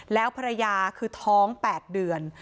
แล้วภรรยาคือท้อง๘เดือน